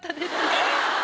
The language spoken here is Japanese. えっ！